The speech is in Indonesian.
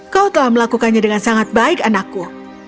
kau telah melakukannya dengan sangat baik anakku